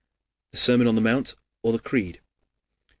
The Sermon on the Mount, or the Creed.